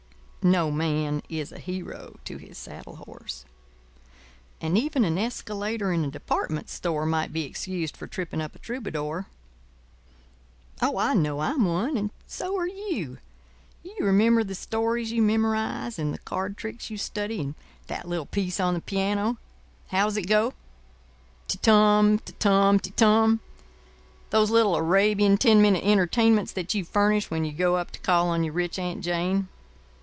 No man is a hero to his saddle horse. And even an escalator in a department store might be excused for tripping up a troubadour. Oh, I know I'm one; and so are you. You remember the stories you memorize and the card tricks you study and that little piece on the piano—how does it go?—ti tum te tum ti tum—those little Arabian Ten Minute Entertainments that you furnish when you go up to call on your rich Aunt Jane.